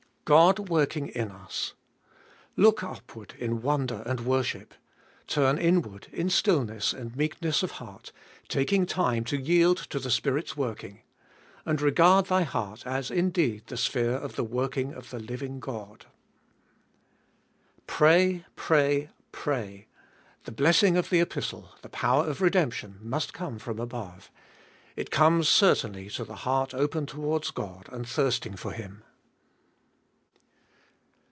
1. God working in us. Look upward in wonder and worship. Turn inward in stillness and meekness of heart, taking time to yield to the Spirit's working. And regard thy heart as indeed the sphere of the working of the living God. 2. Pray, pray, pray I The blessing of the Epistle, the power of redemption, must come from above. It comes certainly to the heart open towards God and thirsting for Him.